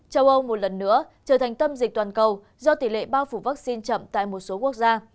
châu âu một lần nữa trở thành tâm dịch toàn cầu do tỷ lệ bao phủ vaccine chậm tại một số quốc gia